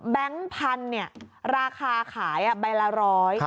พันธุ์เนี่ยราคาขายใบละร้อย